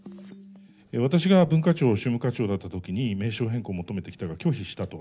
私が文化庁宗務課長だったときに名称変更を求めてきたが拒否したと。